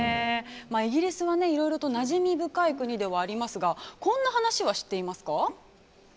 イギリスはいろいろとなじみ深い国ではありますがこんな話は知っていますか？